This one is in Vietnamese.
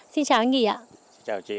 xin chào anh nghị ạ